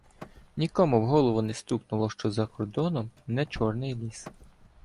Нікому в голову не стукнуло, що за кордоном — не Чорний ліс.